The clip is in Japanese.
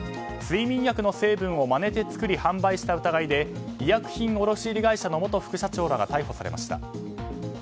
睡眠薬の成分をまねて作り販売した疑いで医薬品卸売会社の元副社長らが逮捕されました。